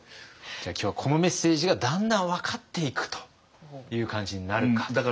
じゃあ今日はこのメッセージがだんだん分かっていくという感じになるかっていう。